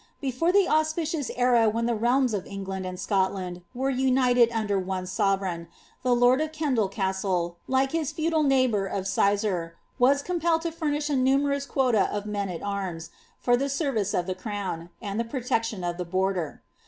Before the auspicious era when the realms of Eng land and Scotland were united under one sovereign, the lord of Kendal Castle, like his feudal neighbour of Sizergh, was compelled to furnish a numerous quota of men at arms, for the service of the crown, and the protection of the border.